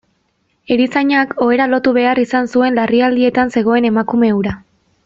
Erizainak ohera lotu behar izan zuen larrialdietan zegoen emakume hura.